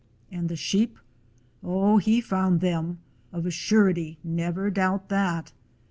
And the sheep — oh, he found them, of a surety; never doubt that!